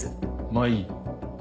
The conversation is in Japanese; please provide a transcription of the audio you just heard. まあいい。